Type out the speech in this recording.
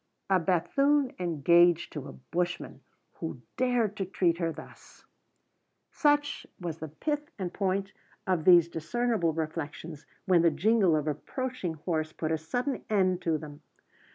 A Bethune engaged to a bushman who dared to treat her thus! Such was the pith and point of these discreditable reflections when the jingle of approaching horse put a sudden end to them.